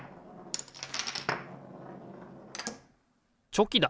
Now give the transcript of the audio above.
チョキだ！